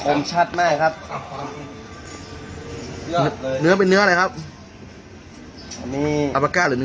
ขนชัดมากครับครับเนื้อเป็นเนื้ออะไรครับอัพลาก้าหรือ